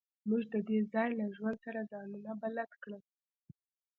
موږ د دې ځای له ژوند سره ځانونه بلد کړل